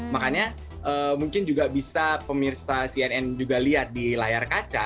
makanya mungkin juga bisa pemirsa cnn juga lihat di layar kaca